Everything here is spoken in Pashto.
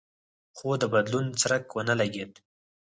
خو د بدلون څرک ونه لګېد.